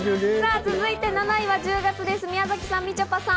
続いて７位は１０月生まれの方です、宮崎さん、みちょぱさん。